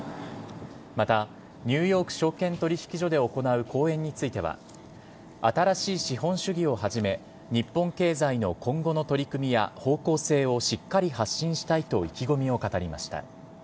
また、ニューヨーク証券取引所で行う講演については、新しい資本主義をはじめ、日本経済の今後の取り組みや方向性をしっかり発信したいと意気込みを語りました。